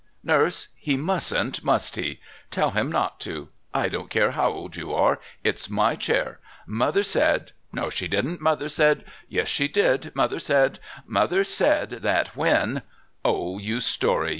"Nurse, he mustn't, must he? Tell him not to. I don't care how old you are. It's my chair. Mother said " "No, she didn't. Mother said " "Yes, she did. Mother said " "Mother said that when " "Oh, you story.